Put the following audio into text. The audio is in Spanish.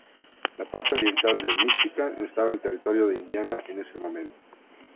La parte oriental de Míchigan estaba en territorio de Indiana en ese momento.